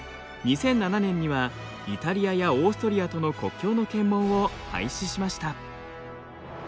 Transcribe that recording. ２００７年にはイタリアやオーストリアとの国境の検問を廃止しました。